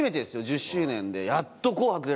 １０周年でやっと『紅白』出られた。